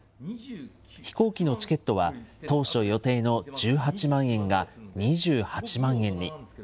飛行機のチケットは、当初予定の１８万円が２８万円に。